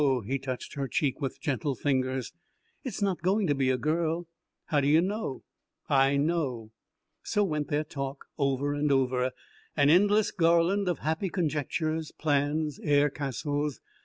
He touched her cheek with gentle fingers. "It's not going to be a girl." "How d'you know?" "I know." So went their talk, over and over, an endless garland of happy conjectures, plans, air castles.